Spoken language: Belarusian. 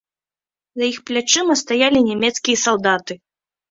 За іх плячыма сталі нямецкія салдаты.